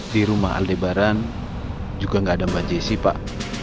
di rumah aldai barang juga gak ada mbak jessy pak